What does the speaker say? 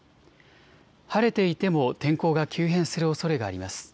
晴れていても天候が急変するおそれがあります。